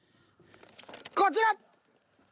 こちら！